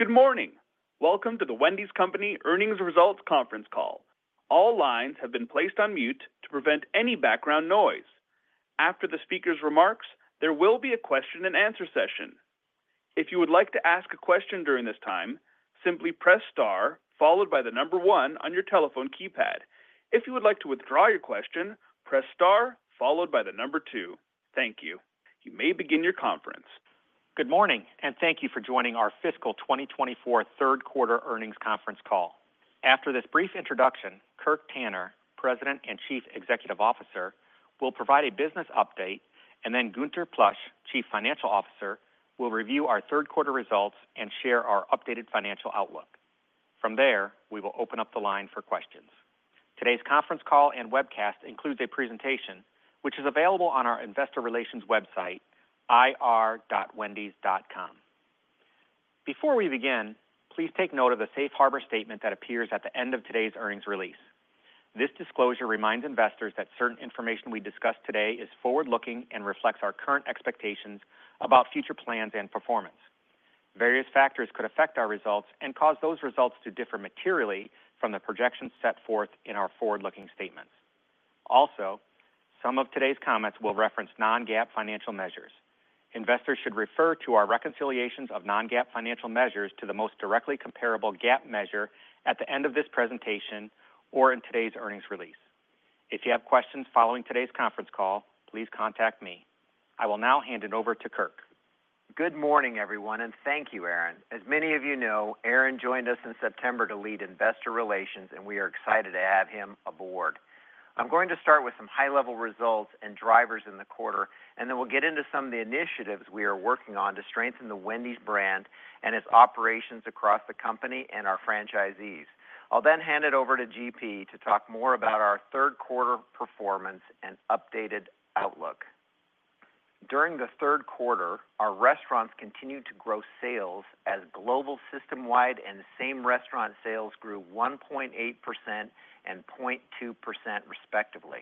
Good morning. Welcome to The Wendy's Company Earnings Results Conference Call. All lines have been placed on mute to prevent any background noise. After the speaker's remarks, there will be a question-and-answer session. If you would like to ask a question during this time, simply press star followed by the number one on your telephone keypad. If you would like to withdraw your question, press star followed by the number two. Thank you. You may begin your conference. Good morning, and thank you for joining our Fiscal 2024 Q3 Earnings Conference Call. After this brief introduction, Kirk Tanner, President and Chief Executive Officer, will provide a business update, and then Gunther Plosch, Chief Financial Officer, will review our Q3 results and share our updated financial outlook. From there, we will open up the line for questions. Today's conference call and webcast includes a presentation which is available on our investor relations website, ir.wendys.com. Before we begin, please take note of the safe harbor statement that appears at the end of today's earnings release. This disclosure reminds investors that certain information we discuss today is forward-looking and reflects our current expectations about future plans and performance. Various factors could affect our results and cause those results to differ materially from the projections set forth in our forward-looking statements. Also, some of today's comments will reference non-GAAP financial measures. Investors should refer to our reconciliations of non-GAAP financial measures to the most directly comparable GAAP measure at the end of this presentation or in today's earnings release. If you have questions following today's conference call, please contact me. I will now hand it over to Kirk. Good morning, everyone, and thank you, Aaron. As many of you know, Aaron joined us in September to lead investor relations, and we are excited to have him aboard. I'm going to start with some high-level results and drivers in the quarter, and then we'll get into some of the initiatives we are working on to strengthen the Wendy's brand and its operations across the company and our franchisees. I'll then hand it over to GP to talk more about our Q3 performance and updated outlook. During the Q3, our restaurants continued to grow sales as global system-wide and same restaurant sales grew 1.8% and 0.2% respectively.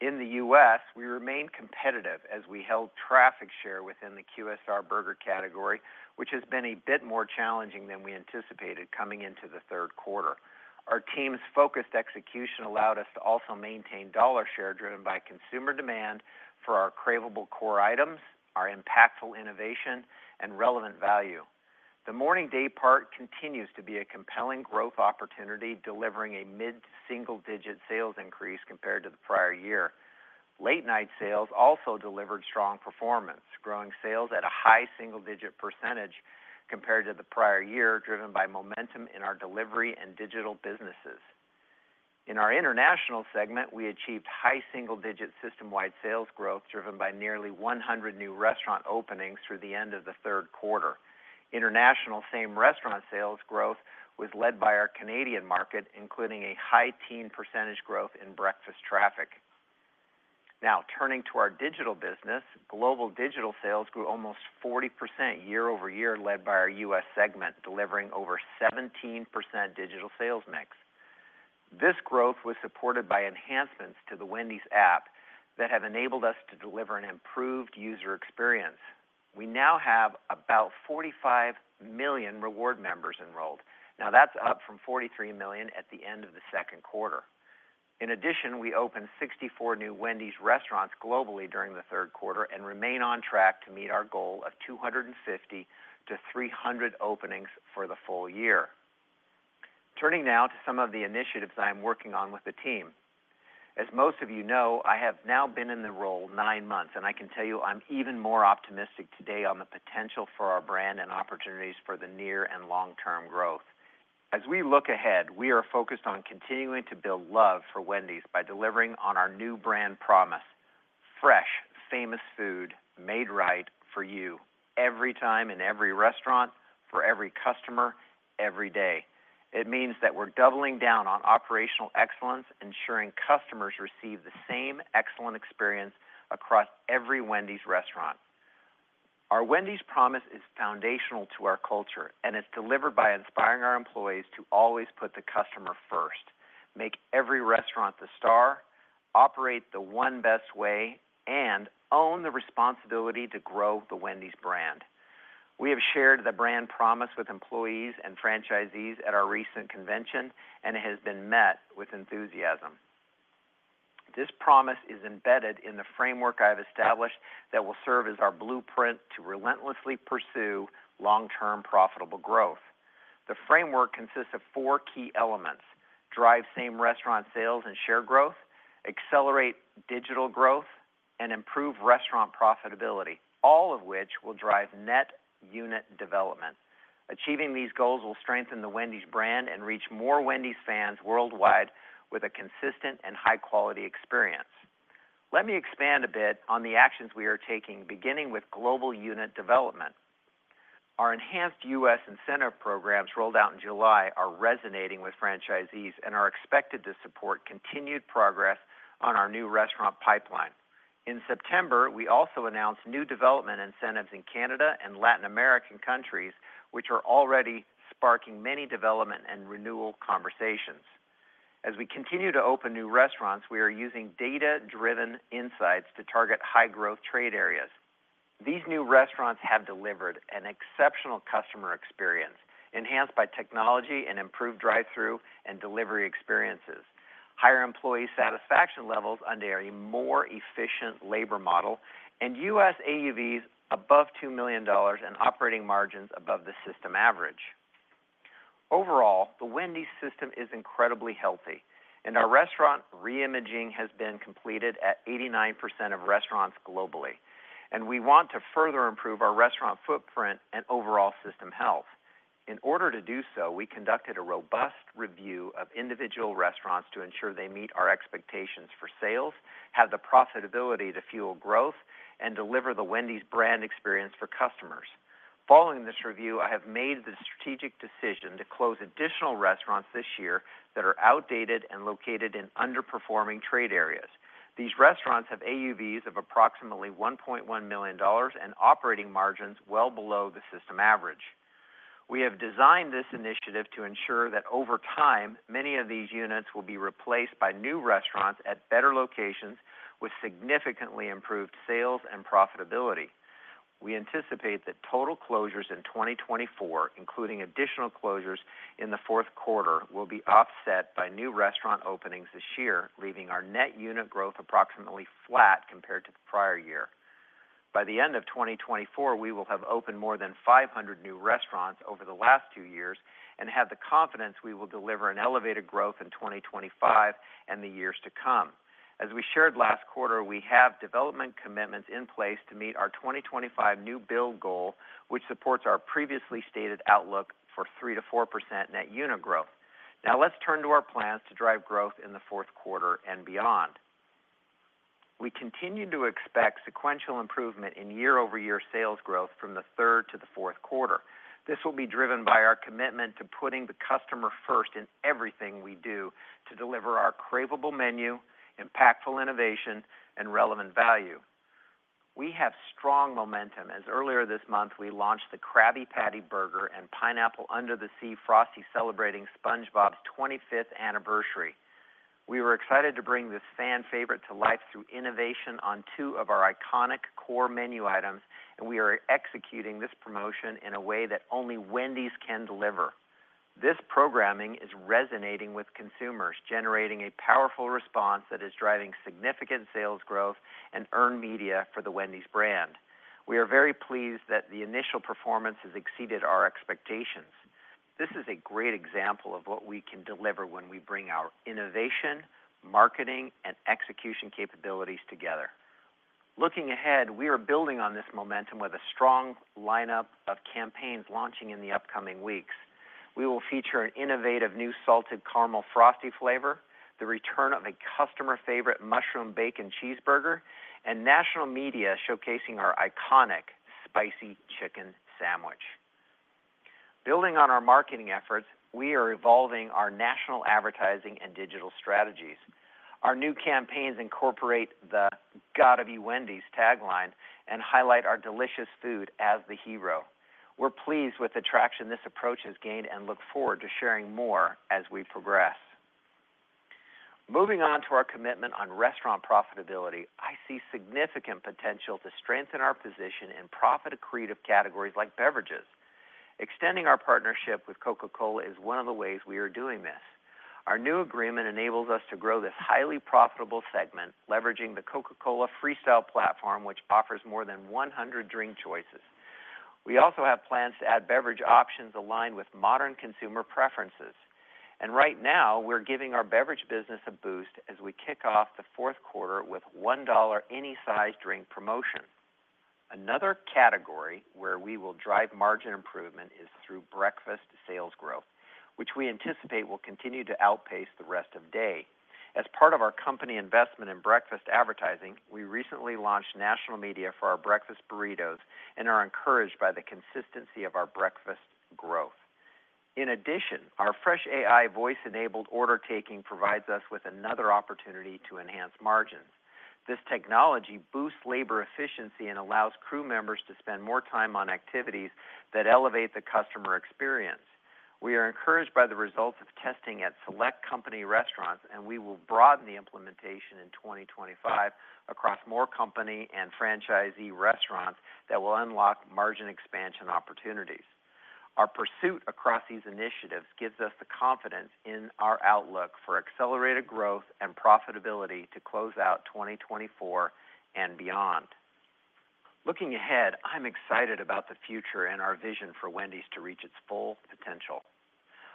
In the US, we remained competitive as we held traffic share within the QSR burger category, which has been a bit more challenging than we anticipated coming into the Q3. Our team's focused execution allowed us to also maintain dollar share driven by consumer demand for our craveable core items, our impactful innovation, and relevant value. The morning daypart continues to be a compelling growth opportunity, delivering a mid to single-digit sales increase compared to the prior year. Late-night sales also delivered strong performance, growing sales at a high single-digit % compared to the prior year, driven by momentum in our delivery and digital businesses. In our international segment, we achieved high single-digit system-wide sales growth, driven by nearly 100 new restaurant openings through the end of the Q3. International same restaurant sales growth was led by our Canadian market, including a high teen percentage growth in breakfast traffic. Now, turning to our digital business, global digital sales grew almost 40% year-over-year, led by our US segment, delivering over 17% digital sales mix. This growth was supported by enhancements to the Wendy's app that have enabled us to deliver an improved user experience. We now have about 45 million rewards members enrolled. Now, that's up from 43 million at the end of the Q2. In addition, we opened 64 new Wendy's restaurants globally during the Q3 and remain on track to meet our goal of 250 to 300 openings for the full year. Turning now to some of the initiatives I'm working on with the team. As most of you know, I have now been in the role nine months, and I can tell you I'm even more optimistic today on the potential for our brand and opportunities for the near and long-term growth. As we look ahead, we are focused on continuing to build love for Wendy's by delivering on our new brand promise: fresh, famous food made right for you every time in every restaurant, for every customer, every day. It means that we're doubling down on operational excellence, ensuring customers receive the same excellent experience across every Wendy's restaurant. Our Wendy's Promise is foundational to our culture, and it's delivered by inspiring our employees to always put the customer first, make every restaurant the star, operate the one best way, and own the responsibility to grow the Wendy's brand. We have shared the brand promise with employees and franchisees at our recent convention, and it has been met with enthusiasm. This promise is embedded in the framework I've established that will serve as our blueprint to relentlessly pursue long-term profitable growth. The framework consists of four key elements: drive same restaurant sales and share growth, accelerate digital growth, and improve restaurant profitability, all of which will drive net unit development. Achieving these goals will strengthen the Wendy's brand and reach more Wendy's fans worldwide with a consistent and high-quality experience. Let me expand a bit on the actions we are taking, beginning with global unit development. Our enhanced US incentive programs rolled out in July are resonating with franchisees and are expected to support continued progress on our new restaurant pipeline. In September, we also announced new development incentives in Canada and Latin American countries, which are already sparking many development and renewal conversations. As we continue to open new restaurants, we are using data-driven insights to target high-growth trade areas. These new restaurants have delivered an exceptional customer experience, enhanced by technology and improved drive-through and delivery experiences, higher employee satisfaction levels under a more efficient labor model, and US AUVs above $2 million and operating margins above the system average. Overall, the Wendy's system is incredibly healthy, and our restaurant reimaging has been completed at 89% of restaurants globally, and we want to further improve our restaurant footprint and overall system health. In order to do so, we conducted a robust review of individual restaurants to ensure they meet our expectations for sales, have the profitability to fuel growth, and deliver the Wendy's brand experience for customers. Following this review, I have made the strategic decision to close additional restaurants this year that are outdated and located in underperforming trade areas. These restaurants have AUVs of approximately $1.1 million and operating margins well below the system average. We have designed this initiative to ensure that over time, many of these units will be replaced by new restaurants at better locations with significantly improved sales and profitability. We anticipate that total closures in 2024, including additional closures in the Q4, will be offset by new restaurant openings this year, leaving our net unit growth approximately flat compared to the prior year. By the end of 2024, we will have opened more than 500 new restaurants over the last two years and have the confidence we will deliver an elevated growth in 2025 and the years to come. As we shared last quarter, we have development commitments in place to meet our 2025 new build goal, which supports our previously stated outlook for 3% to 4% net unit growth. Now, let's turn to our plans to drive growth in the Q4 and beyond. We continue to expect sequential improvement in year-over-year sales growth from the third to the Q4. This will be driven by our commitment to putting the customer first in everything we do to deliver our craveable menu, impactful innovation, and relevant value. We have strong momentum. As earlier this month, we launched the Krabby Patty Burger and Pineapple Under the Sea Frosty, celebrating SpongeBob's 25th anniversary. We were excited to bring this fan favorite to life through innovation on two of our iconic core menu items, and we are executing this promotion in a way that only Wendy's can deliver. This programming is resonating with consumers, generating a powerful response that is driving significant sales growth and earned media for the Wendy's brand. We are very pleased that the initial performance has exceeded our expectations. This is a great example of what we can deliver when we bring our innovation, marketing, and execution capabilities together. Looking ahead, we are building on this momentum with a strong lineup of campaigns launching in the upcoming weeks. We will feature an innovative new Salted Caramel Frosty flavor, the return of a customer favorite Mushroom Bacon Cheeseburger, and national media showcasing our iconic Spicy Chicken Sandwich. Building on our marketing efforts, we are evolving our national advertising and digital strategies. Our new campaigns incorporate the Gotta Be Wendy's tagline and highlight our delicious food as the hero. We're pleased with the traction this approach has gained and look forward to sharing more as we progress. Moving on to our commitment on restaurant profitability, I see significant potential to strengthen our position in profit-accretive categories like beverages. Extending our partnership with Coca-Cola is one of the ways we are doing this. Our new agreement enables us to grow this highly profitable segment, leveraging the Coca-Cola Freestyle platform, which offers more than 100 drink choices. We also have plans to add beverage options aligned with modern consumer preferences. And right now, we're giving our beverage business a boost as we kick off the Q4 with $1 any size drink promotion. Another category where we will drive margin improvement is through breakfast sales growth, which we anticipate will continue to outpace the rest of day. As part of our company investment in breakfast advertising, we recently launched national media for our breakfast burritos and are encouraged by the consistency of our breakfast growth. In addition, our FreshAI voice-enabled order taking provides us with another opportunity to enhance margins. This technology boosts labor efficiency and allows crew members to spend more time on activities that elevate the customer experience. We are encouraged by the results of testing at select company restaurants, and we will broaden the implementation in 2025 across more company and franchisee restaurants that will unlock margin expansion opportunities. Our pursuit across these initiatives gives us the confidence in our outlook for accelerated growth and profitability to close out 2024 and beyond. Looking ahead, I'm excited about the future and our vision for Wendy's to reach its full potential.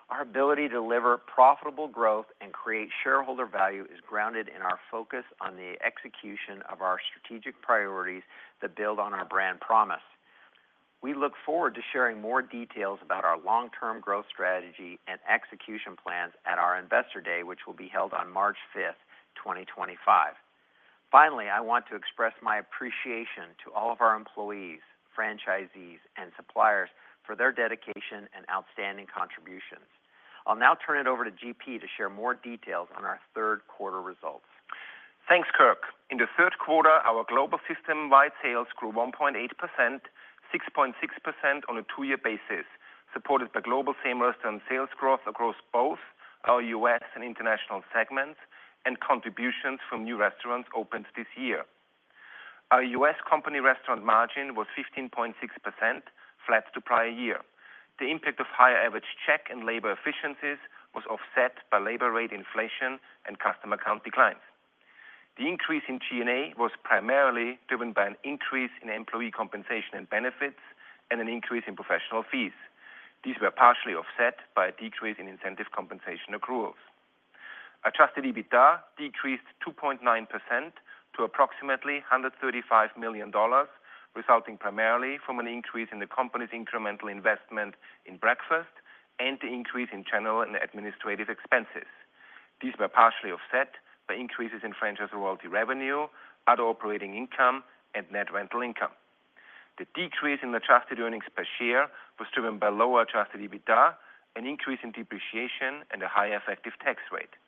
Our ability to deliver profitable growth and create shareholder value is grounded in our focus on the execution of our strategic priorities that build on our brand promise. We look forward to sharing more details about our long-term growth strategy and execution plans at our investor day, which will be held on 5 March 2025. Finally, I want to express my appreciation to all of our employees, franchisees, and suppliers for their dedication and outstanding contributions. I'll now turn it over to GP to share more details on our Q3 results. Thanks, Kirk. In the Q3, our global system-wide sales grew 1.8%, 6.6% on a two-year basis, supported by global same restaurant sales growth across both our US and international segments and contributions from new restaurants opened this year. Our US company restaurant margin was 15.6%, flat to prior year. The impact of higher average check and labor efficiencies was offset by labor rate inflation and customer count declines. The increase in G&A was primarily driven by an increase in employee compensation and benefits and an increase in professional fees. These were partially offset by a decrease in incentive compensation accruals. Adjusted EBITDA decreased 2.9% to approximately $135 million, resulting primarily from an increase in the company's incremental investment in breakfast and the increase in general and administrative expenses. These were partially offset by increases in franchise loyalty revenue, other operating income, and net rental income. The decrease in Adjusted earnings per share was driven by lower Adjusted EBITDA, an increase in depreciation, and a higher effective tax rate.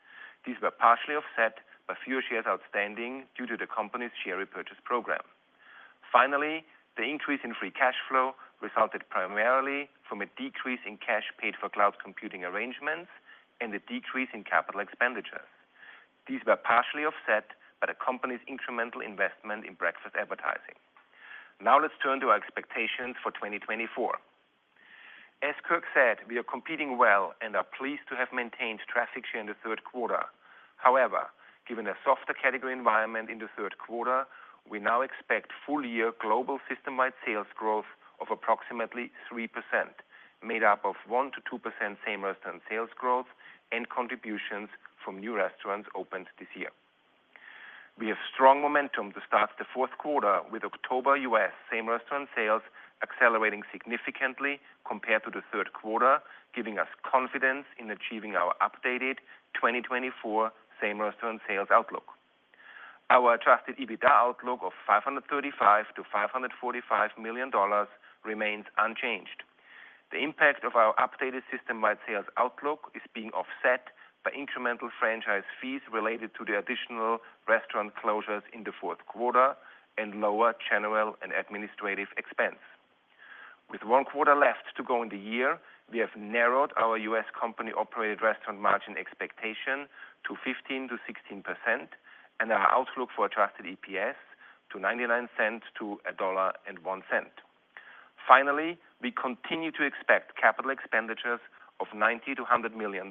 These were partially offset by fewer shares outstanding due to the company's share repurchase program. Finally, the increase in free cash flow resulted primarily from a decrease in cash paid for cloud computing arrangements and a decrease in capital expenditures. These were partially offset by the company's incremental investment in breakfast advertising. Now, let's turn to our expectations for 2024. As Kirk said, we are competing well and are pleased to have maintained traffic share in the Q3. However, given a softer category environment in the Q3, we now expect full-year global system-wide sales growth of approximately 3%, made up of 1% to 2% same restaurant sales growth and contributions from new restaurants opened this year. We have strong momentum to start the Q4 with October US same restaurant sales accelerating significantly compared to the Q3, giving us confidence in achieving our updated 2024 same restaurant sales outlook. Our Adjusted EBITDA outlook of $535 to 545 million remains unchanged. The impact of our updated system-wide sales outlook is being offset by incremental franchise fees related to the additional restaurant closures in the Q4 and lower general and administrative expense. With one quarter left to go in the year, we have narrowed our US company-operated restaurant margin expectation to 15% to 16% and our outlook for adjusted EPS to $0.99 to 1.01. Finally, we continue to expect capital expenditures of $90 to 100 million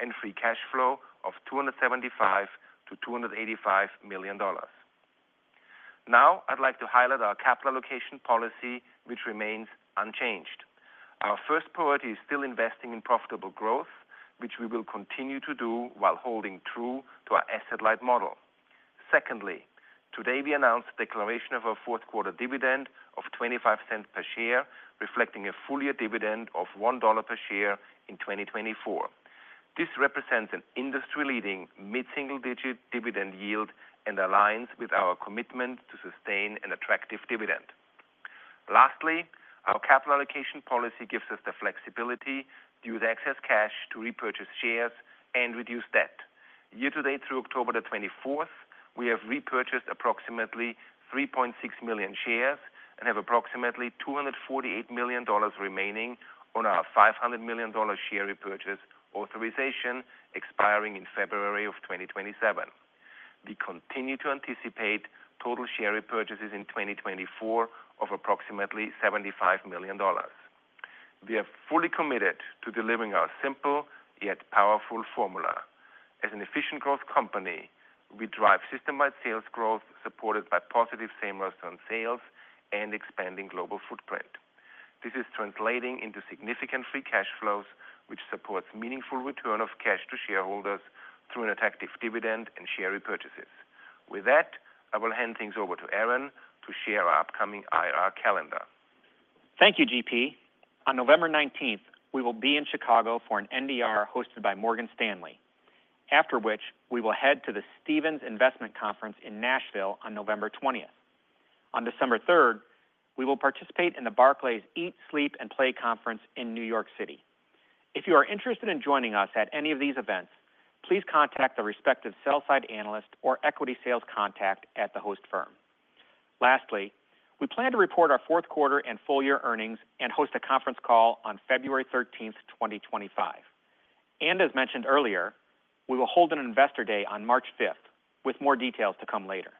and free cash flow of $275 to 285 million. Now, I'd like to highlight our capital allocation policy, which remains unchanged. Our first priority is still investing in profitable growth, which we will continue to do while holding true to our asset-light model. Secondly, today we announced the declaration of our Q4 dividend of $0.25 per share, reflecting a full-year dividend of $1 per share in 2024. This represents an industry-leading mid-single-digit dividend yield and aligns with our commitment to sustain an attractive dividend. Lastly, our capital allocation policy gives us the flexibility to use excess cash to repurchase shares and reduce debt. Year-to-date through 24 October, we have repurchased approximately 3.6 million shares and have approximately $248 million remaining on our $500 million share repurchase authorization expiring in February 2027. We continue to anticipate total share repurchases in 2024 of approximately $75 million. We are fully committed to delivering our simple yet powerful formula. As an efficient growth company, we drive system-wide sales growth supported by positive same restaurant sales and expanding global footprint. This is translating into significant free cash flows, which supports meaningful return of cash to shareholders through an attractive dividend and share repurchases. With that, I will hand things over to Aaron to share our upcoming IR calendar. Thank you, GP. On 19 November, we will be in Chicago for an NDR hosted by Morgan Stanley, after which we will head to the Stephens Investment Conference in Nashville on 20 November. On 3 December, we will participate in the Barclays Eat, Sleep, and Play Conference in New York City. If you are interested in joining us at any of these events, please contact the respective sell-side analyst or equity sales contact at the host firm. Lastly, we plan to report our Q4 and full-year earnings and host a conference call on 13 February 2025. As mentioned earlier, we will hold an investor day on 5 March with more details to come later.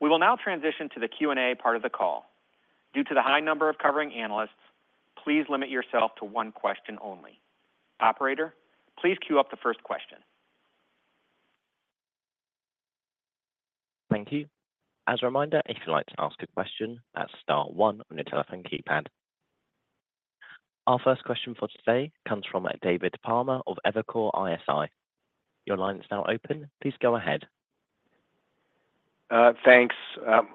We will now transition to the Q&A part of the call. Due to the high number of covering analysts, please limit yourself to one question only. Operator, please queue up the first question. Thank you. As a reminder, if you'd like to ask a question, that's star one on your telephone keypad. Our first question for today comes from David Palmer of Evercore ISI. Your line is now open. Please go ahead. Thanks.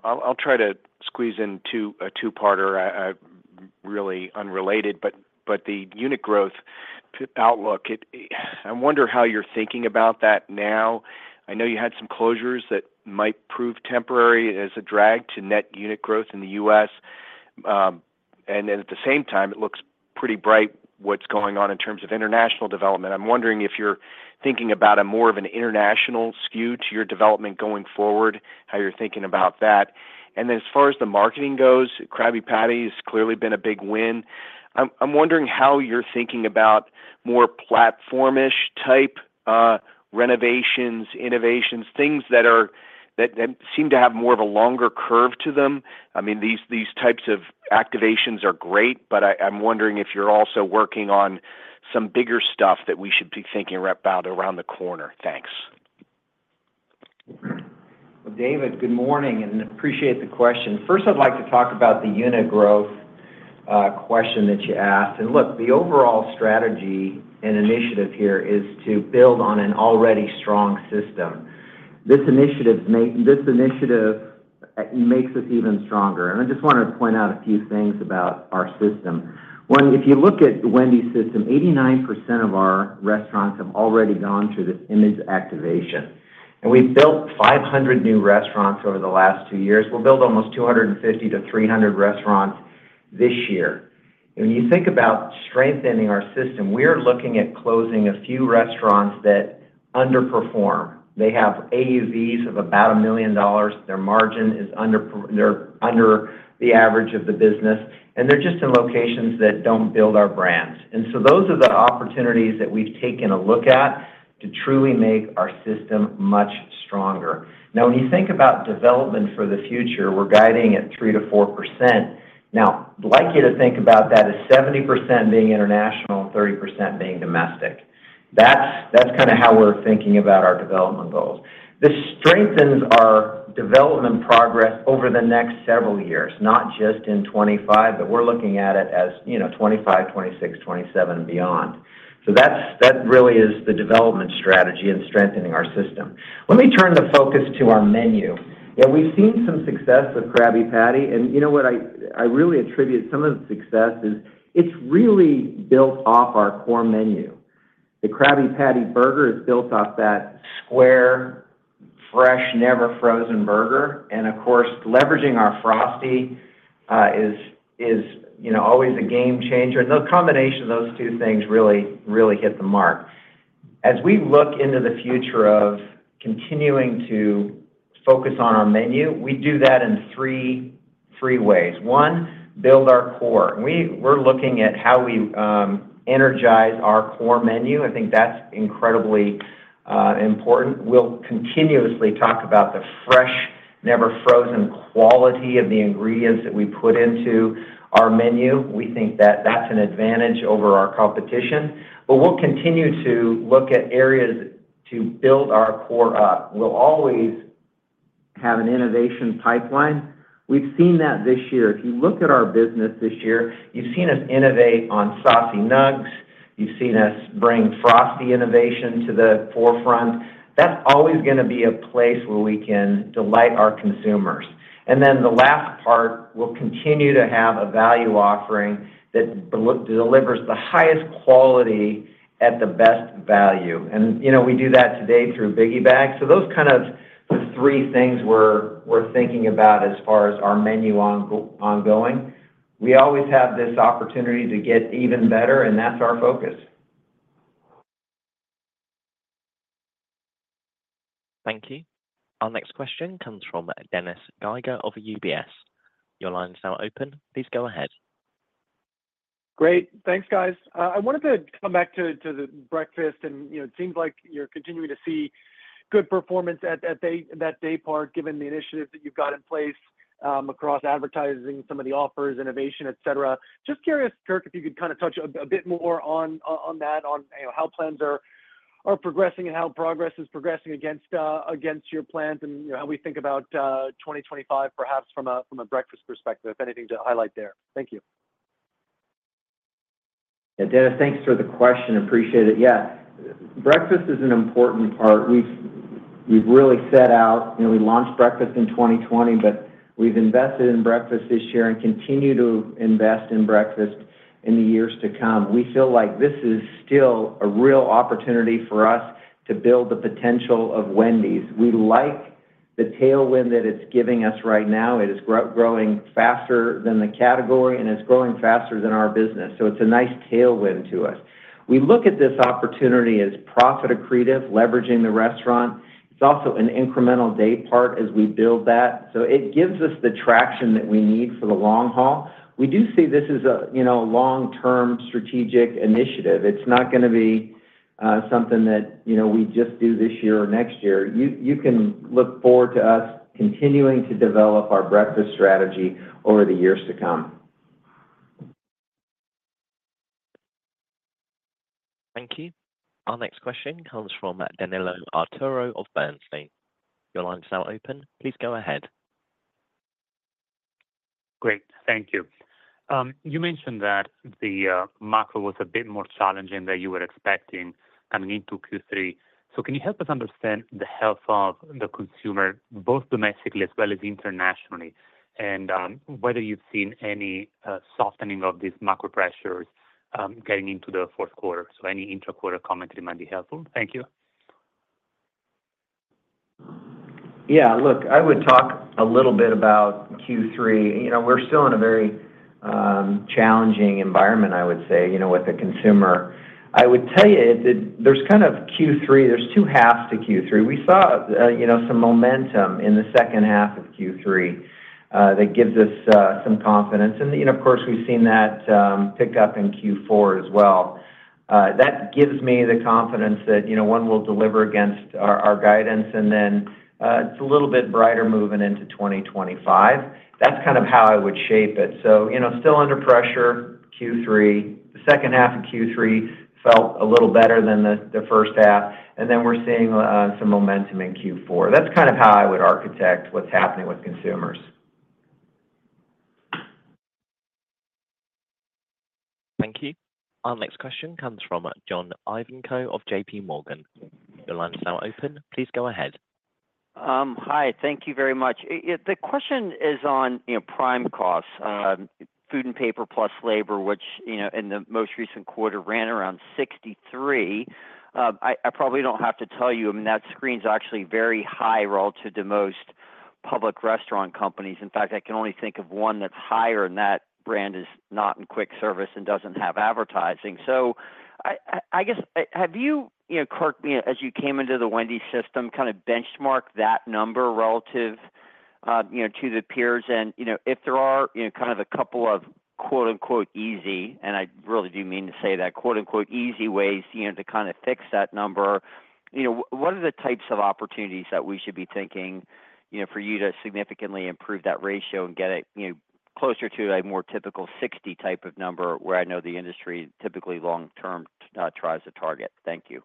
I'll try to squeeze in a two-parter. Really unrelated, but the unit growth outlook, I wonder how you're thinking about that now. I know you had some closures that might prove temporary as a drag to net unit growth in the U.S. And at the same time, it looks pretty bright what's going on in terms of international development. I'm wondering if you're thinking about more of an international skew to your development going forward, how you're thinking about that. And then as far as the marketing goes, Krabby Patty has clearly been a big win. I'm wondering how you're thinking about more platform-ish type renovations, innovations, things that seem to have more of a longer curve to them. I mean, these types of activations are great, but I'm wondering if you're also working on some bigger stuff that we should be thinking about around the corner. Thanks. David, good morning and appreciate the question. First, I'd like to talk about the unit growth question that you asked. And look, the overall strategy and initiative here is to build on an already strong system. This initiative makes us even stronger. And I just want to point out a few things about our system. One, if you look at the Wendy's system, 89% of our restaurants have already gone through this Image Activation. And we've built 500 new restaurants over the last two years. We'll build almost 250 to 300 restaurants this year. And when you think about strengthening our system, we are looking at closing a few restaurants that underperform. They have AUVs of about $1 million. Their margin is under the average of the business. And they're just in locations that don't build our brand. And so those are the opportunities that we've taken a look at to truly make our system much stronger. Now, when you think about development for the future, we're guiding at 3% to 4%. Now, I'd like you to think about that as 70% being international and 30% being domestic. That's kind of how we're thinking about our development goals. This strengthens our development progress over the next several years, not just in 2025, but we're looking at it as 2025, 2026, 2027, and beyond. So that really is the development strategy in strengthening our system. Let me turn the focus to our menu. We've seen some success with Krabby Patty, and you know what I really attribute some of the success is it's really built off our core menu. The Krabby Patty Burger is built off that square, fresh, never-frozen burger, and of course, leveraging our Frosty is always a game changer, and the combination of those two things really, really hit the mark. As we look into the future of continuing to focus on our menu, we do that in three ways. One, build our core. We're looking at how we energize our core menu. I think that's incredibly important. We'll continuously talk about the fresh, never-frozen quality of the ingredients that we put into our menu. We think that that's an advantage over our competition, but we'll continue to look at areas to build our core up. We'll always have an innovation pipeline. We've seen that this year. If you look at our business this year, you've seen us innovate on Saucy Nuggs. You've seen us bring Frosty innovation to the forefront. That's always going to be a place where we can delight our consumers. And then the last part, we'll continue to have a value offering that delivers the highest quality at the best value. And we do that today through Biggie Bag. So those kind of the three things we're thinking about as far as our menu ongoing. We always have this opportunity to get even better, and that's our focus. Thank you. Our next question comes from Dennis Geiger of UBS. Your line is now open. Please go ahead. Great. Thanks, guys. I wanted to come back to the breakfast. And it seems like you're continuing to see good performance at that day part given the initiatives that you've got in place across advertising, some of the offers, innovation, etc. Just curious, Kirk, if you could kind of touch a bit more on that, on how plans are progressing and how progress is progressing against your plans and how we think about 2025, perhaps from a breakfast perspective, if anything to highlight there. Thank you. Yeah, Dennis, thanks for the question. Appreciate it. Yeah. Breakfast is an important part. We've really set out, we launched breakfast in 2020, but we've invested in breakfast this year and continue to invest in breakfast in the years to come. We feel like this is still a real opportunity for us to build the potential of Wendy's. We like the tailwind that it's giving us right now. It is growing faster than the category and it's growing faster than our business. So it's a nice tailwind to us. We look at this opportunity as profit accretive, leveraging the restaurant. It's also an incremental day part as we build that. So it gives us the traction that we need for the long haul. We do see this as a long-term strategic initiative. It's not going to be something that we just do this year or next year. You can look forward to us continuing to develop our breakfast strategy over the years to come. Thank you. Our next question comes from Danilo Gargiulo of Bernstein. Your line is now open. Please go ahead. Great. Thank you. You mentioned that the market was a bit more challenging than you were expecting coming into Q3. So can you help us understand the health of the consumer, both domestically as well as internationally, and whether you've seen any softening of these macro pressures getting into the Q4? So any intra-quarter commentary might be helpful. Thank you. Yeah. Look, I would talk a little bit about Q3. We're still in a very challenging environment, I would say, with the consumer. I would tell you that there's kind of Q3, there's two halves to Q3. We saw some momentum in the H2 of Q3 that gives us some confidence. And of course, we've seen that pick up in Q4 as well. That gives me the confidence that one will deliver against our guidance. And then it's a little bit brighter moving into 2025. That's kind of how I would shape it. So still under pressure, Q3. The H2 of Q3 felt a little better than the H1. And then we're seeing some momentum in Q4. That's kind of how I would architect what's happening with consumers. Thank you. Our next question comes from John Ivanko of JP Morgan. Your line is now open. Please go ahead. Hi. Thank you very much. The question is on prime costs, food and paper plus labor, which in the most recent quarter ran around 63. I probably don't have to tell you. I mean, that spread's actually very high relative to most public restaurant companies. In fact, I can only think of one that's higher, and that brand is not in quick service and doesn't have advertising. So I guess, have you, Kirk, as you came into the Wendy's system, kind of benchmarked that number relative to the peers? If there are kind of a couple of "easy," and I really do mean to say that, "easy ways" to kind of fix that number, what are the types of opportunities that we should be thinking for you to significantly improve that ratio and get it closer to a more typical 60 type of number where I know the industry typically long-term tries to target? Thank you.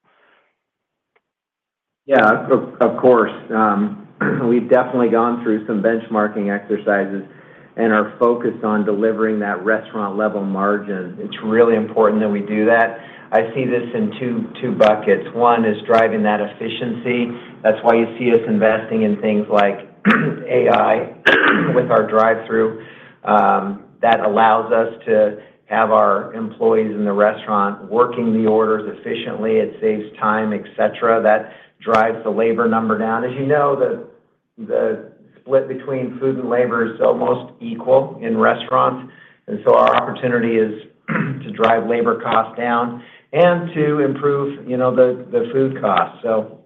Yeah, of course. We've definitely gone through some benchmarking exercises and are focused on delivering that restaurant-level margin. It's really important that we do that. I see this in two buckets. One is driving that efficiency. That's why you see us investing in things like AI with our drive-thru. That allows us to have our employees in the restaurant working the orders efficiently. It saves time, etc. That drives the labor number down. As you know, the split between food and labor is almost equal in restaurants. And so our opportunity is to drive labor costs down and to improve the food costs. So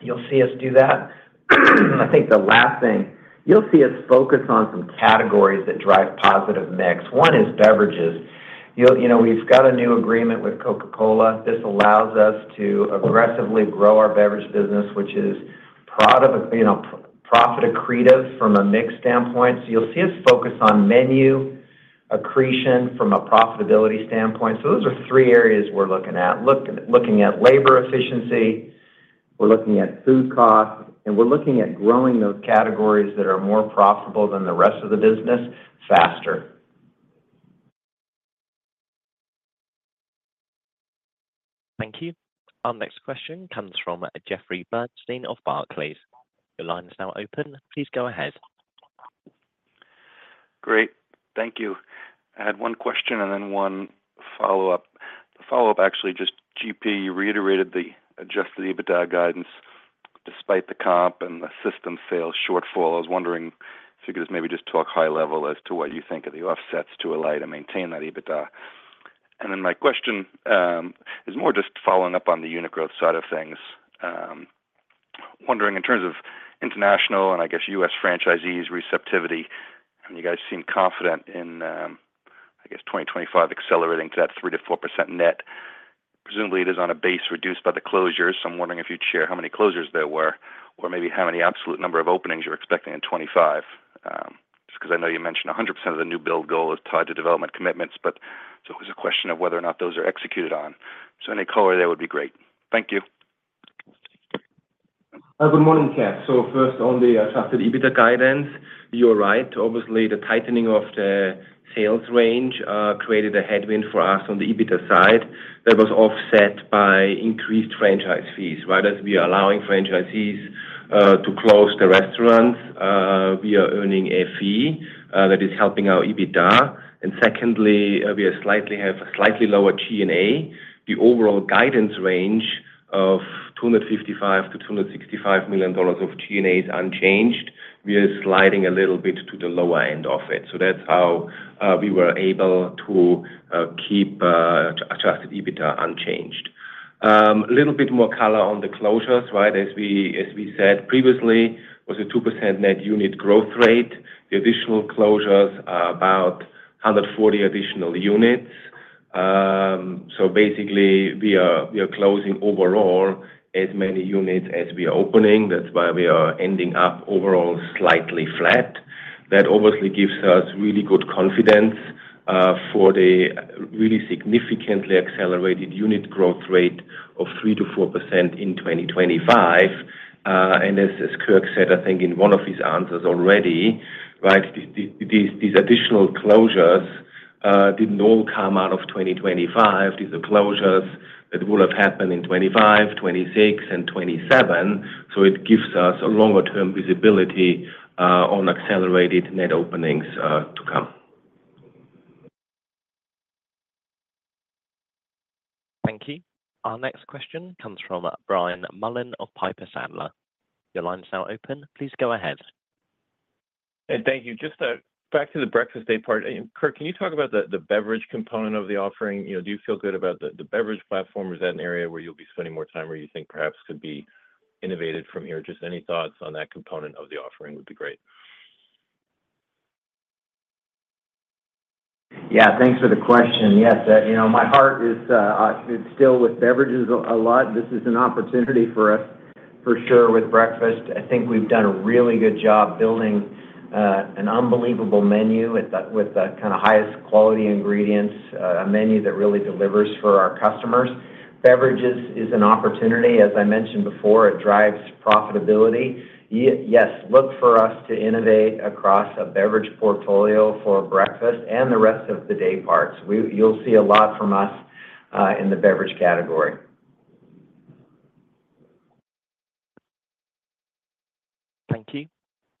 you'll see us do that. I think the last thing, you'll see us focus on some categories that drive positive mix. One is beverages. We've got a new agreement with Coca-Cola. This allows us to aggressively grow our beverage business, which is profit accretive from a mix standpoint. So you'll see us focus on menu accretion from a profitability standpoint. So those are three areas we're looking at. Looking at labor efficiency, we're looking at food costs, and we're looking at growing those categories that are more profitable than the rest of the business faster. Thank you. Our next question comes from Jeffrey Bernstein of Barclays. Your line is now open. Please go ahead. Great. Thank you. I had one question and then one follow-up. The follow-up, actually, just GP, you reiterated the adjusted EBITDA guidance despite the comp and the system-wide sales shortfall. I was wondering if you could just maybe talk high level as to what you think are the offsets to allow you to maintain that EBITDA. And then my question is more just following up on the unit growth side of things. Wondering in terms of international and I guess US franchisees receptivity, and you guys seem confident in, I guess, 2025 accelerating to that 3% to 4% net. Presumably, it is on a base reduced by the closures. I'm wondering if you'd share how many closures there were or maybe how many absolute number of openings you're expecting in 2025. Just because I know you mentioned 100% of the new build goal is tied to development commitments, but so it was a question of whether or not those are executed on. So any color there would be great. Thank you. Good morning, Kev. So first, on the adjusted EBITDA guidance, you're right. Obviously, the tightening of the sales range created a headwind for us on the EBITDA side that was offset by increased franchise fees, right? As we are allowing franchisees to close the restaurants, we are earning a fee that is helping our EBITDA. And secondly, we have a slightly lower G&A. The overall guidance range of $255 to 265 million of G&A is unchanged. We are sliding a little bit to the lower end of it. So that's how we were able to keep adjusted EBITDA unchanged. A little bit more color on the closures, right? As we said previously, it was a 2% net unit growth rate. The additional closures are about 140 additional units. So basically, we are closing overall as many units as we are opening. That's why we are ending up overall slightly flat. That obviously gives us really good confidence for the really significantly accelerated unit growth rate of 3% to 4% in 2025. And as Kirk said, I think in one of his answers already, right, these additional closures didn't all come out of 2025. These are closures that will have happened in 2025, 2026, and 2027. So it gives us a longer-term visibility on accelerated net openings to come. Thank you. Our next question comes from Brian Mullan of Piper Sandler. Your line is now open. Please go ahead. Thank you. Just back to the breakfast daypart. Kirk, can you talk about the beverage component of the offering? Do you feel good about the beverage platform? Is that an area where you'll be spending more time where you think perhaps could be innovated from here? Just any thoughts on that component of the offering would be great. Yeah. Thanks for the question. Yes. My heart is still with beverages a lot. This is an opportunity for us, for sure, with breakfast. I think we've done a really good job building an unbelievable menu with the kind of highest quality ingredients, a menu that really delivers for our customers. Beverages is an opportunity. As I mentioned before, it drives profitability. Yes, look for us to innovate across a beverage portfolio for breakfast and the rest of the day parts. You'll see a lot from us in the beverage category.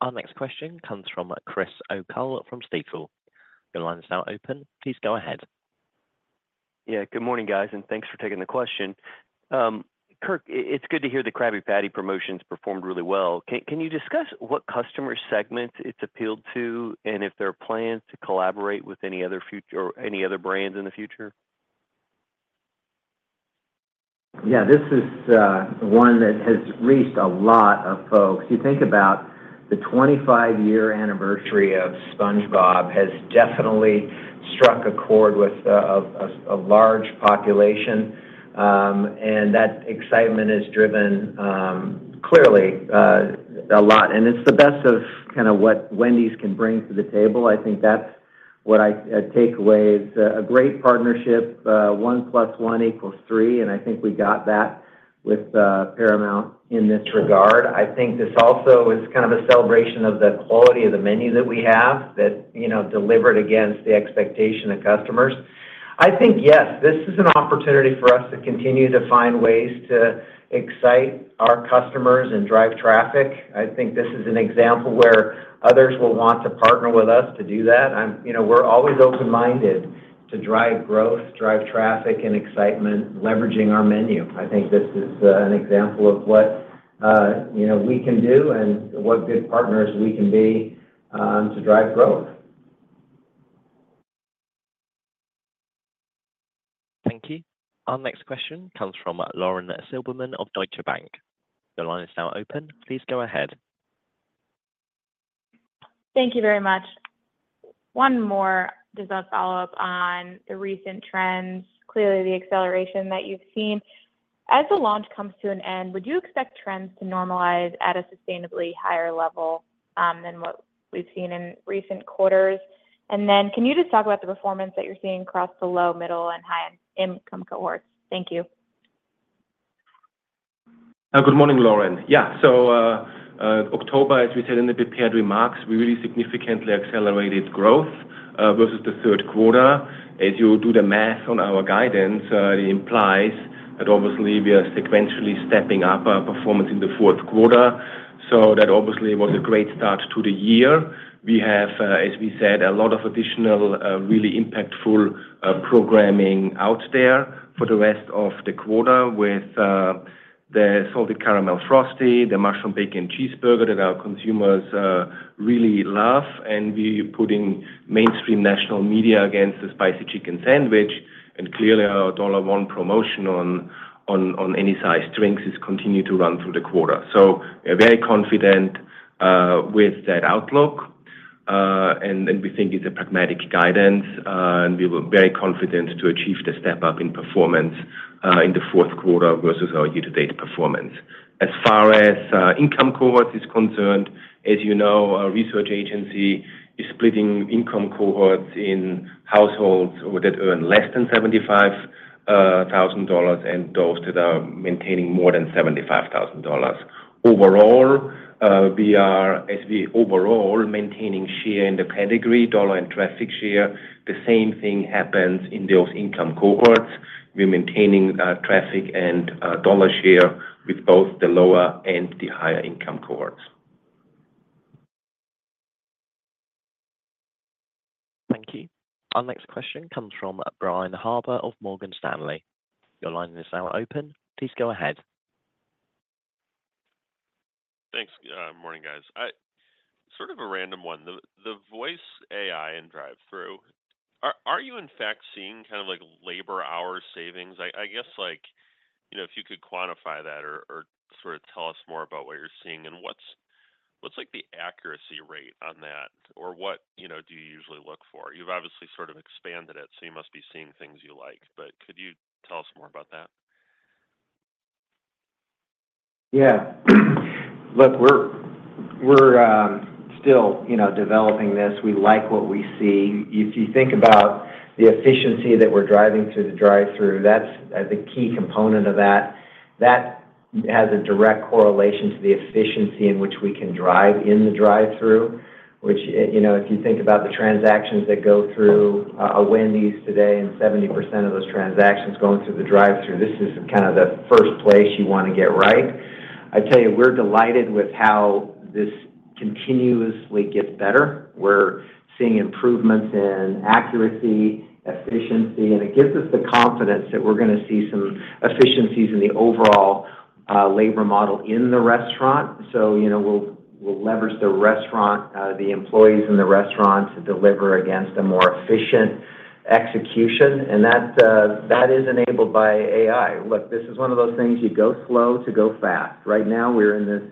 Thank you. Our next question comes from Chris O'Cull from Stifel. Your line is now open. Please go ahead. Yeah. Good morning, guys. And thanks for taking the question. Kirk, it's good to hear the Krabby Patty promotions performed really well. Can you discuss what customer segments it's appealed to and if there are plans to collaborate with any other brands in the future? Yeah. This is one that has reached a lot of folks. You think about the 25-year anniversary of SpongeBob has definitely struck a chord with a large population. And that excitement is driven clearly a lot. And it's the best of kind of what Wendy's can bring to the table. I think that's what I take away is a great partnership, one plus one equals three. And I think we got that with Paramount in this regard. I think this also is kind of a celebration of the quality of the menu that we have that delivered against the expectation of customers. I think, yes, this is an opportunity for us to continue to find ways to excite our customers and drive traffic. I think this is an example where others will want to partner with us to do that. We're always open-minded to drive growth, drive traffic, and excitement leveraging our menu. I think this is an example of what we can do and what good partners we can be to drive growth. Thank you. Our next question comes from Lauren Silberman of Deutsche Bank. Your line is now open. Please go ahead. Thank you very much. One more just to follow up on the recent trends, clearly the acceleration that you've seen. As the launch comes to an end, would you expect trends to normalize at a sustainably higher level than what we've seen in recent quarters? And then can you just talk about the performance that you're seeing across the low, middle, and high-income cohorts? Thank you. Good morning, Lauren. Yeah. So October, as we said in the prepared remarks, we really significantly accelerated growth versus the Q3. As you do the math on our guidance, it implies that obviously we are sequentially stepping up our performance in the Q4. So that obviously was a great start to the year. We have, as we said, a lot of additional really impactful programming out there for the rest of the quarter with the Salted Caramel Frosty, the Mushroom Bacon Cheeseburger that our consumers really love, and putting mainstream national media against the Spicy Chicken Sandwich. And clearly, our dollar-one promotion on any size drinks has continued to run through the quarter. So we are very confident with that outlook. And we think it's a pragmatic guidance. And we were very confident to achieve the step-up in performance in the Q4 versus our year-to-date performance. As far as income cohorts is concerned, as you know, our research agency is splitting income cohorts in households that earn less than $75,000 and those that are maintaining more than $75,000. Overall, we are maintaining share in the per capita, dollar and traffic share. The same thing happens in those income cohorts. We're maintaining traffic and dollar share with both the lower and the higher income cohorts. Thank you. Our next question comes from Brian Harbour of Morgan Stanley. Your line is now open. Please go ahead. Thanks. Morning, guys. Sort of a random one. The voice AI and drive-thru, are you in fact seeing kind of labor hour savings? I guess if you could quantify that or sort of tell us more about what you're seeing and what's the accuracy rate on that, or what do you usually look for? You've obviously sort of expanded it, so you must be seeing things you like. But could you tell us more about that? Yeah. Look, we're still developing this. We like what we see. If you think about the efficiency that we're driving through the drive-thru, that's the key component of that. That has a direct correlation to the efficiency in which we can drive in the drive-thru, which if you think about the transactions that go through a Wendy's today and 70% of those transactions going through the drive-thru, this is kind of the first place you want to get right. I tell you, we're delighted with how this continuously gets better. We're seeing improvements in accuracy, efficiency, and it gives us the confidence that we're going to see some efficiencies in the overall labor model in the restaurant. So we'll leverage the restaurant, the employees in the restaurant to deliver against a more efficient execution. And that is enabled by AI. Look, this is one of those things you go slow to go fast. Right now, we're in this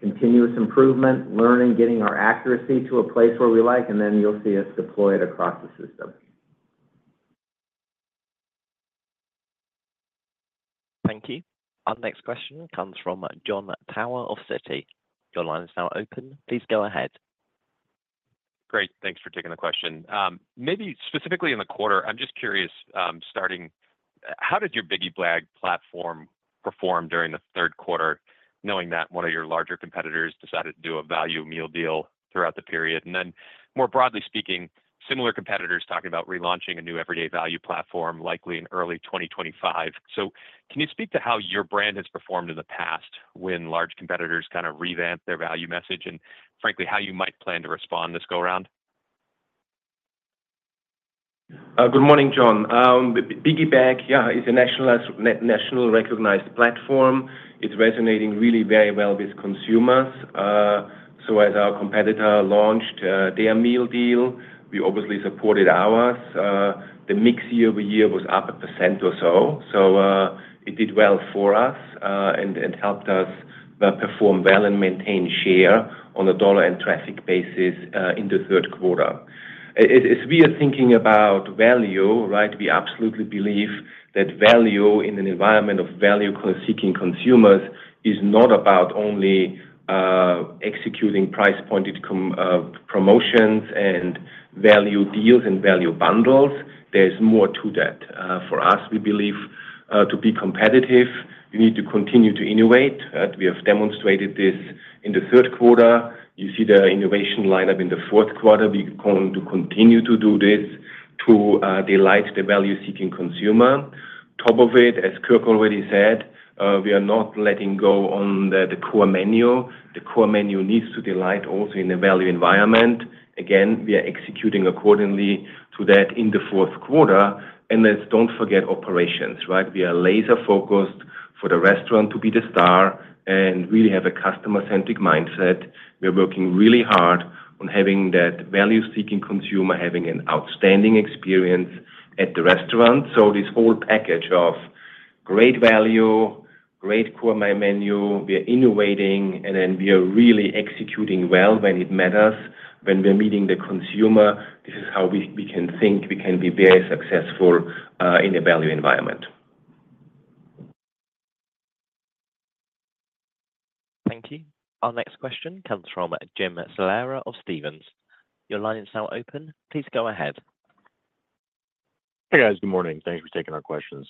continuous improvement, learning, getting our accuracy to a place where we like, and then you'll see us deploy it across the system. Thank you. Our next question comes from Jon Tower of Citi. Your line is now open. Please go ahead. Great. Thanks for taking the question. Maybe specifically in the quarter, I'm just curious, starting, how did your Biggie Bag platform perform during the Q3, knowing that one of your larger competitors decided to do a value meal deal throughout the period? And then more broadly speaking, similar competitors talking about relaunching a new everyday value platform, likely in early 2025. So can you speak to how your brand has performed in the past when large competitors kind of revamp their value message and, frankly, how you might plan to respond this go-around? Good morning, John. Biggie Bag, yeah, is a nationally recognized platform. It's resonating really very well with consumers. So as our competitor launched their meal deal, we obviously supported ours. The mix year over year was up 1% or so. So it did well for us and helped us perform well and maintain share on a dollar and traffic basis in the Q3. As we are thinking about value, right, we absolutely believe that value in an environment of value-seeking consumers is not about only executing price-pointed promotions and value deals and value bundles. There's more to that. For us, we believe to be competitive, you need to continue to innovate. We have demonstrated this in the Q3. You see the innovation lineup in the Q4. We're going to continue to do this to delight the value-seeking consumer. Top of it, as Kirk already said, we are not letting go on the core menu. The core menu needs to delight also in the value environment. Again, we are executing accordingly to that in the Q4. And let's don't forget operations, right? We are laser-focused for the restaurant to be the star and really have a customer-centric mindset. We're working really hard on having that value-seeking consumer having an outstanding experience at the restaurant. So this whole package of great value, great core menu, we are innovating, and then we are really executing well when it matters, when we're meeting the consumer. This is how we can think we can be very successful in a value environment. Thank you. Our next question comes from Jim Salera of Stephens. Your line is now open. Please go ahead. Hey, guys. Good morning. Thanks for taking our questions.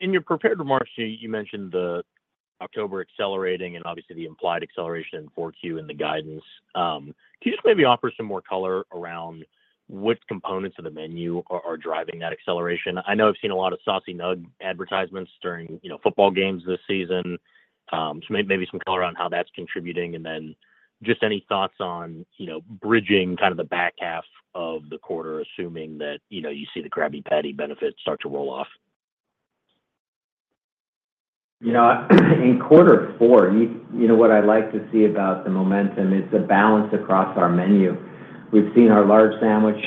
In your prepared remarks, you mentioned the October accelerating and obviously the implied acceleration in Q4 and the guidance. Can you just maybe offer some more color around what components of the menu are driving that acceleration? I know I've seen a lot of Saucy Nuggs advertisements during football games this season. So maybe some color on how that's contributing. And then just any thoughts on bridging kind of the back half of the quarter, assuming that you see the Krabby Patty benefits start to roll off? In Q4, you know what I like to see about the momentum? It's a balance across our menu. We've seen our large sandwich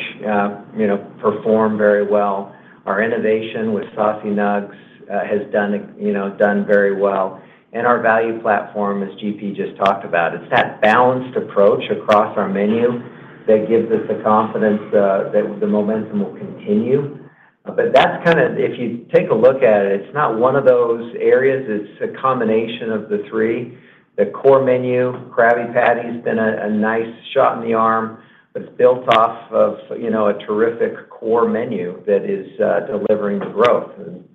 perform very well. Our innovation with Saucy Nuggs has done very well. And our value platform, as GP just talked about, it's that balanced approach across our menu that gives us the confidence that the momentum will continue. But that's kind of if you take a look at it, it's not one of those areas. It's a combination of the three. The core menu, Krabby Patty's been a nice shot in the arm, but it's built off of a terrific core menu that is delivering the growth.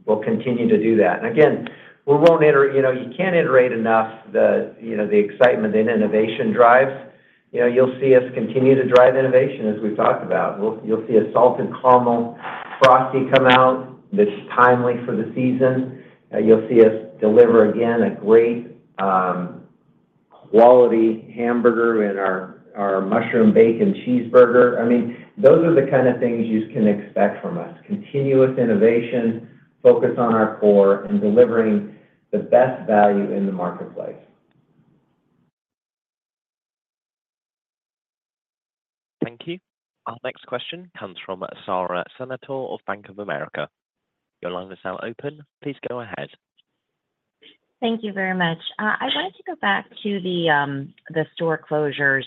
We'll continue to do that. And again, we won't you can't iterate enough the excitement and innovation drives. You'll see us continue to drive innovation, as we've talked about. You'll see a Salted Caramel Frosty come out that's timely for the season. You'll see us deliver, again, a great quality hamburger and our Mushroom Bacon Cheeseburger. I mean, those are the kind of things you can expect from us: continuous innovation, focus on our core, and delivering the best value in the marketplace. Thank you. Our next question comes from Sara Senatore of Bank of America. Your line is now open. Please go ahead. Thank you very much. I wanted to go back to the store closures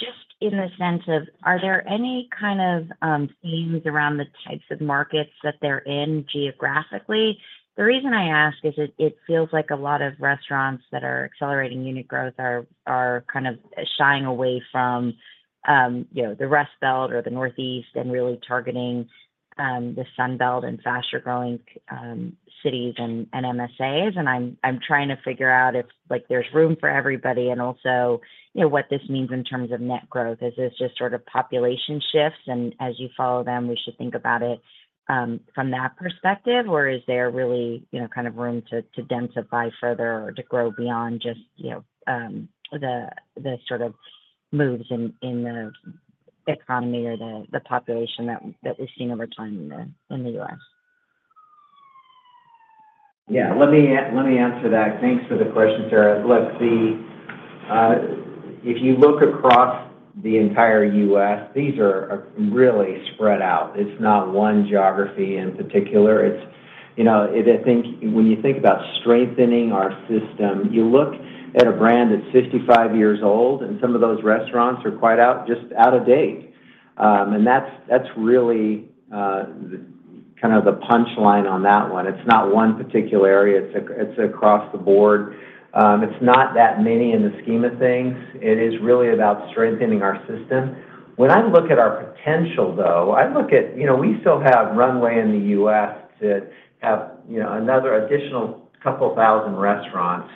just in the sense of, are there any kind of themes around the types of markets that they're in geographically? The reason I ask is it feels like a lot of restaurants that are accelerating unit growth are kind of shying away from the Rust Belt or the Northeast and really targeting the Sun Belt and faster-growing cities and MSAs. And I'm trying to figure out if there's room for everybody and also what this means in terms of net growth. Is this just sort of population shifts? And as you follow them, we should think about it from that perspective, or is there really kind of room to densify further or to grow beyond just the sort of moves in the economy or the population that we've seen over time in the US? Yeah. Let me answer that. Thanks for the question, Sarah. Look, if you look across the entire US, these are really spread out. It's not one geography in particular. I think when you think about strengthening our system, you look at a brand that's 55 years old, and some of those restaurants are quite just out of date, and that's really kind of the punchline on that one. It's not one particular area. It's across the board. It's not that many in the scheme of things. It is really about strengthening our system. When I look at our potential, though, I look at we still have runway in the US to have another additional couple thousand restaurants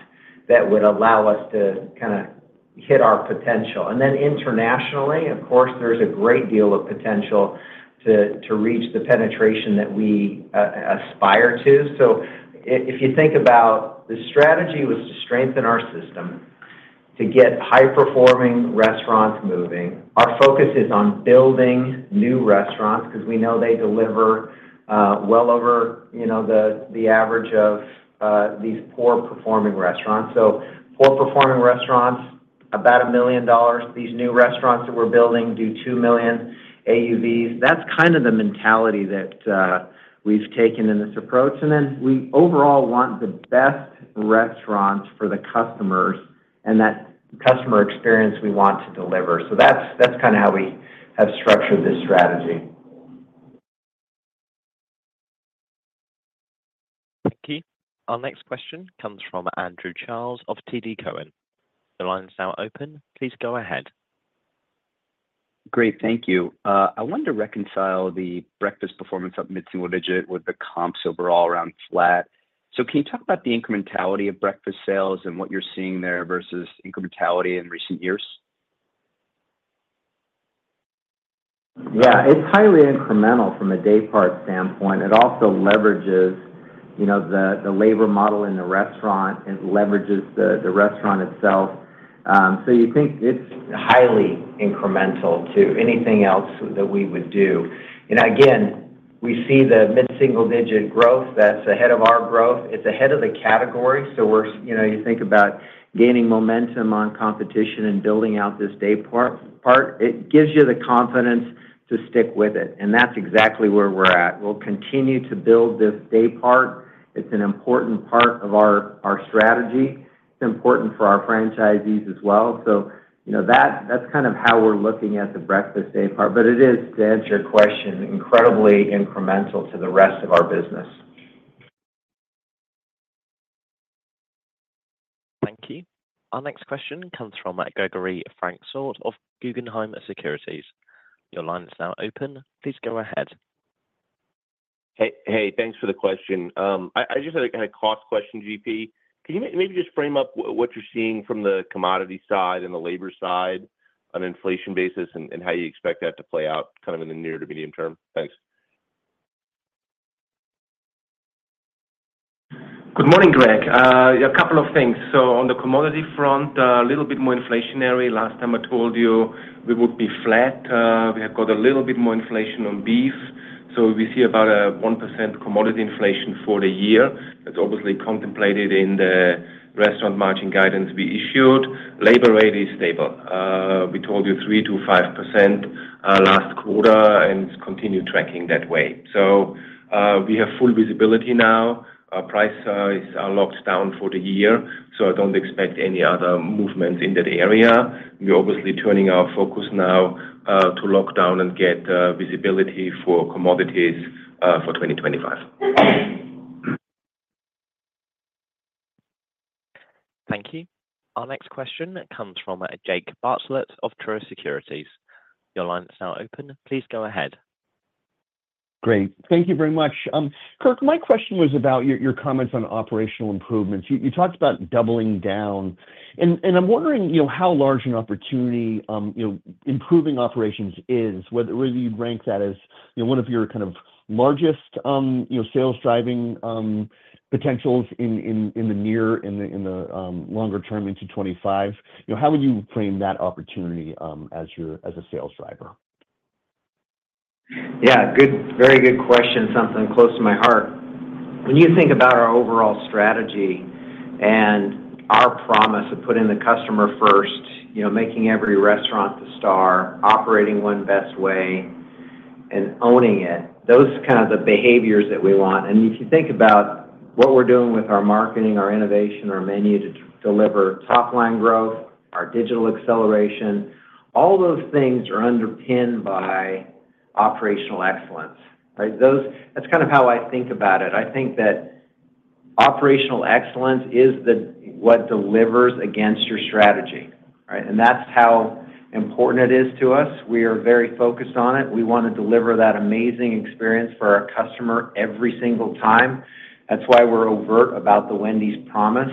that would allow us to kind of hit our potential, and then internationally, of course, there's a great deal of potential to reach the penetration that we aspire to. So if you think about the strategy was to strengthen our system to get high-performing restaurants moving, our focus is on building new restaurants because we know they deliver well over the average of these poor-performing restaurants. So poor-performing restaurants, about $1 million. These new restaurants that we're building do $2 million AUVs. That's kind of the mentality that we've taken in this approach. And then we overall want the best restaurants for the customers and that customer experience we want to deliver. So that's kind of how we have structured this strategy. Thank you. Our next question comes from Andrew Charles of TD Cowen. The line is now open. Please go ahead. Great. Thank you. I wanted to reconcile the breakfast performance up mid-single digit with the comps overall around flat. So can you talk about the incrementality of breakfast sales and what you're seeing there versus incrementality in recent years? Yeah. It's highly incremental from a daypart standpoint. It also leverages the labor model in the restaurant. It leverages the restaurant itself. So you think it's highly incremental to anything else that we would do. And again, we see the mid-single digit growth that's ahead of our growth. It's ahead of the category. So you think about gaining momentum on competition and building out this daypart, it gives you the confidence to stick with it. And that's exactly where we're at. We'll continue to build this daypart. It's an important part of our strategy. It's important for our franchisees as well. So that's kind of how we're looking at the breakfast daypart. But it is, to answer your question, incredibly incremental to the rest of our business. Thank you. Our next question comes from Gregory Francfort of Guggenheim Securities. Your line is now open. Please go ahead. Hey, thanks for the question. I just had a kind of cross question, GP. Can you maybe just frame up what you're seeing from the commodity side and the labor side on an inflation basis and how you expect that to play out kind of in the near to medium term? Thanks. Good morning, Greg. A couple of things. So on the commodity front, a little bit more inflationary. Last time I told you, we would be flat. We have got a little bit more inflation on beef. So we see about a 1% commodity inflation for the year. It's obviously contemplated in the restaurant margin guidance we issued. Labor rate is stable. We told you 3% to 5% last quarter, and it's continued tracking that way. So we have full visibility now. Price is locked down for the year. So I don't expect any other movements in that area. We're obviously turning our focus now to lock down and get visibility for commodities for 2025. Thank you. Our next question comes from Jake Bartlett of Truist Securities. Your line is now open. Please go ahead. Great. Thank you very much. Kirk, my question was about your comments on operational improvements. You talked about doubling down. And I'm wondering how large an opportunity improving operations is, whether you'd rank that as one of your kind of largest sales driving potentials in the near and the longer term into 2025. How would you frame that opportunity as a sales driver? Yeah. Very good question. Something close to my heart. When you think about our overall strategy and our promise of putting the customer first, making every restaurant the star, operating one best way, and owning it, those are kind of the behaviors that we want. And if you think about what we're doing with our marketing, our innovation, our menu to deliver top-line growth, our digital acceleration, all those things are underpinned by operational excellence. That's kind of how I think about it. I think that operational excellence is what delivers against your strategy. And that's how important it is to us. We are very focused on it. We want to deliver that amazing experience for our customer every single time. That's why we're overt about the Wendy's promise.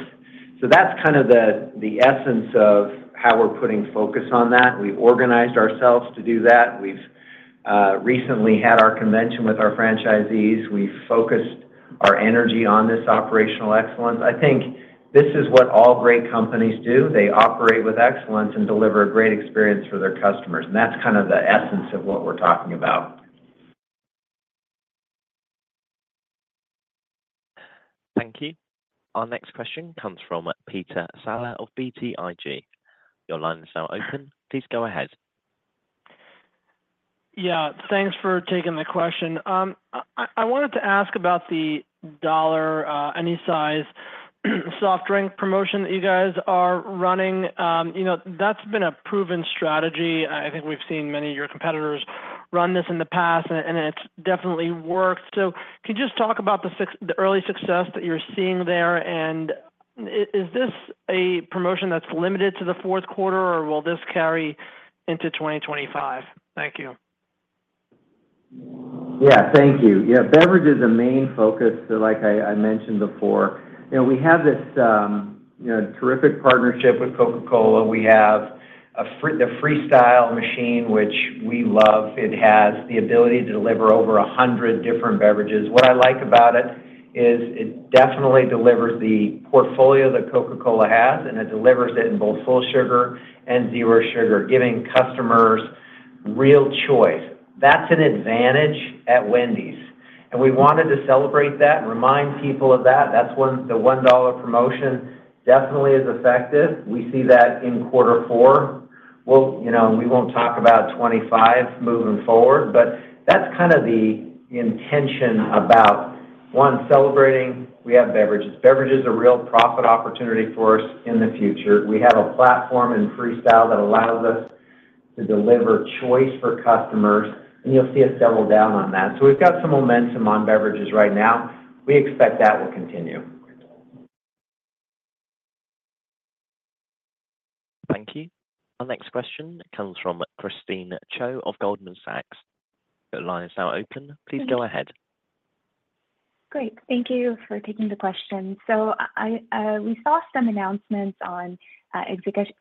So that's kind of the essence of how we're putting focus on that. We organized ourselves to do that. We've recently had our convention with our franchisees. We've focused our energy on this operational excellence. I think this is what all great companies do. They operate with excellence and deliver a great experience for their customers. And that's kind of the essence of what we're talking about. Thank you. Our next question comes from Peter Saleh of BTIG. Your line is now open. Please go ahead. Yeah. Thanks for taking the question. I wanted to ask about the dollar any size soft drink promotion that you guys are running. That's been a proven strategy. I think we've seen many of your competitors run this in the past, and it's definitely worked. So can you just talk about the early success that you're seeing there? And is this a promotion that's limited to the Q4, or will this carry into 2025? Thank you. Yeah. Thank you. Beverage is a main focus. Like I mentioned before, we have this terrific partnership with Coca-Cola. We have the Freestyle machine, which we love. It has the ability to deliver over 100 different beverages. What I like about it is it definitely delivers the portfolio that Coca-Cola has, and it delivers it in both full sugar and zero sugar, giving customers real choice. That's an advantage at Wendy's. And we wanted to celebrate that and remind people of that. That's when the $1 promotion definitely is effective. We see that in quarter four. We won't talk about 2025 moving forward, but that's kind of the intention about, one, celebrating we have beverages. Beverages are a real profit opportunity for us in the future. We have a platform in Freestyle that allows us to deliver choice for customers, and you'll see us double down on that, so we've got some momentum on beverages right now. We expect that will continue. Thank you. Our next question comes from Christine Cho of Goldman Sachs. The line is now open. Please go ahead. Great. Thank you for taking the question. So we saw some announcements on executive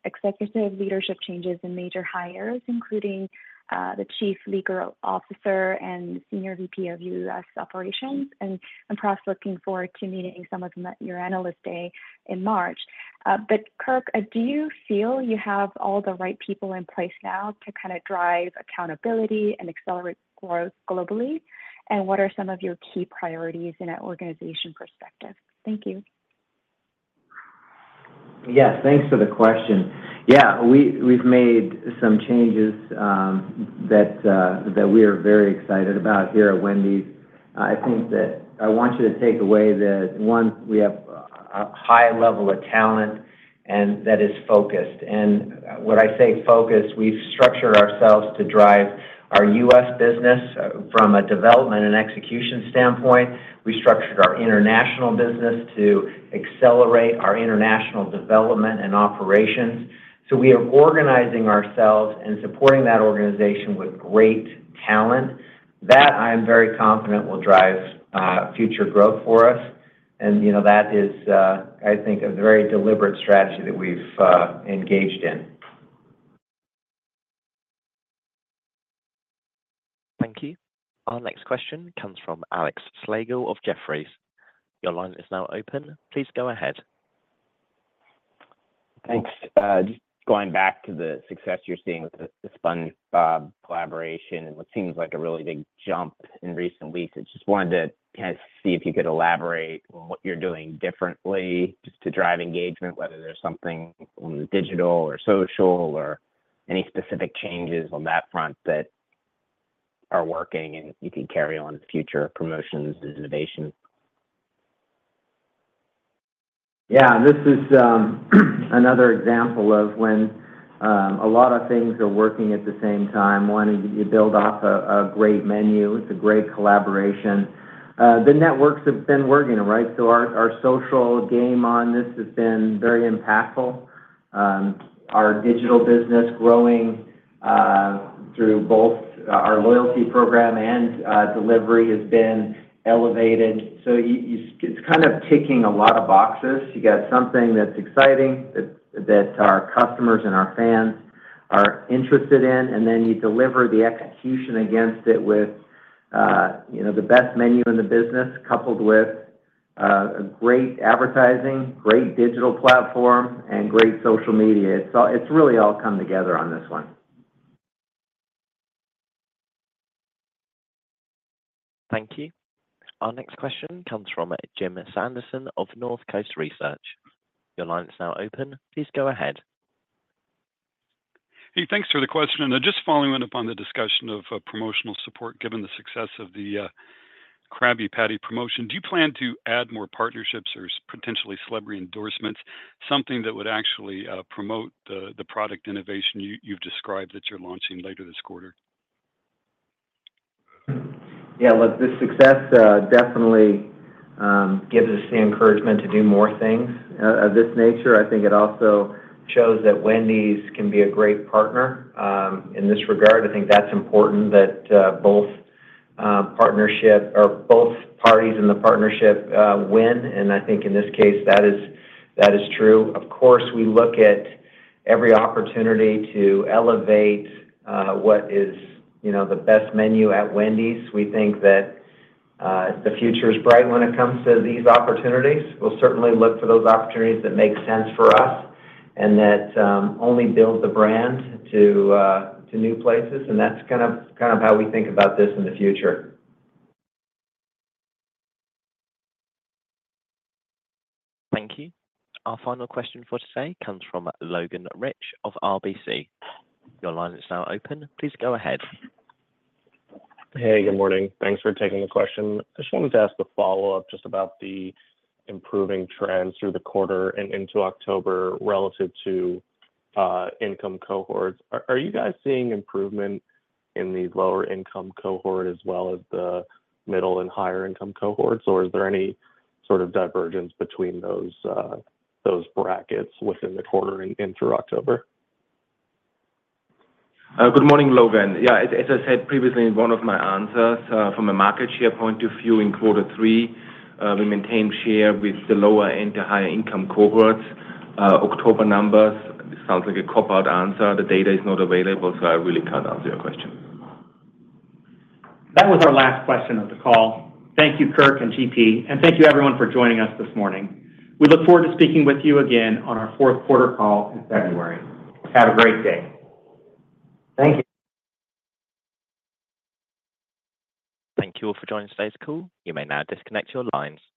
leadership changes and major hires, including the Chief Legal Officer and Senior VP of US Operations. And I'm perhaps looking forward to meeting some of them at your Analyst Day in March. But Kirk, do you feel you have all the right people in place now to kind of drive accountability and accelerate growth globally? And what are some of your key priorities in an organization perspective? Thank you. Yes. Thanks for the question. Yeah. We've made some changes that we are very excited about here at Wendy's. I think that I want you to take away that, one, we have a high level of talent and that is focused. And when I say focused, we've structured ourselves to drive our US business from a development and execution standpoint. We structured our international business to accelerate our international development and operations. So we are organizing ourselves and supporting that organization with great talent. That I am very confident will drive future growth for us. And that is, I think, a very deliberate strategy that we've engaged in. Thank you. Our next question comes from Alex Slagle of Jefferies. Your line is now open. Please go ahead. Thanks. Just going back to the success you're seeing with the SpongeBob collaboration and what seems like a really big jump in recent weeks, I just wanted to kind of see if you could elaborate on what you're doing differently just to drive engagement, whether there's something on the digital or social or any specific changes on that front that are working and you can carry on future promotions and innovation? Yeah. This is another example of when a lot of things are working at the same time. One, you build off a great menu. It's a great collaboration. The networks have been working, right? So our social game on this has been very impactful. Our digital business growing through both our loyalty program and delivery has been elevated. So it's kind of ticking a lot of boxes. You got something that's exciting that our customers and our fans are interested in, and then you deliver the execution against it with the best menu in the business coupled with great advertising, great digital platform, and great social media. It's really all come together on this one. Thank you. Our next question comes from Jim Sanderson of Northcoast Research. Your line is now open. Please go ahead. Hey, thanks for the question. And just following up on the discussion of promotional support, given the success of the Krabby Patty promotion, do you plan to add more partnerships or potentially celebrity endorsements, something that would actually promote the product innovation you've described that you're launching later this quarter? Yeah. Look, this success definitely gives us the encouragement to do more things of this nature. I think it also shows that Wendy's can be a great partner in this regard. I think that's important that both parties in the partnership win, and I think in this case, that is true. Of course, we look at every opportunity to elevate what is the best menu at Wendy's. We think that the future is bright when it comes to these opportunities. We'll certainly look for those opportunities that make sense for us and that only build the brand to new places, and that's kind of how we think about this in the future. Thank you. Our final question for today comes from Logan Reich of RBC. Your line is now open. Please go ahead. Hey, good morning. Thanks for taking the question. I just wanted to ask a follow-up just about the improving trends through the quarter and into October relative to income cohorts. Are you guys seeing improvement in the lower-income cohort as well as the middle and higher-income cohorts, or is there any sort of divergence between those brackets within the quarter and through October? Good morning, Logan. Yeah. As I said previously, in one of my answers from a market share point of view in Q3, we maintained share with the lower and the higher-income cohorts. October numbers, it sounds like a cop-out answer. The data is not available, so I really can't answer your question. That was our last question of the call. Thank you, Kirk and GP. And thank you, everyone, for joining us this morning. We look forward to speaking with you again on our Q4 call in February. Have a great day. Thank you. Thank you all for joining today's call. You may now disconnect your lines.